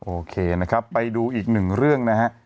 โอเคนะครับไปดูอีกหนึ่งเรื่องนะฮะ